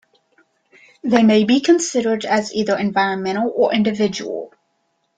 They may be considered as either environmental or individual.